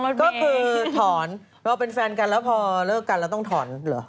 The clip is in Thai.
มันก็คือถอนเราเป็นแฟนกันแล้วพอเลิกกันเราต้องถอนเหรอ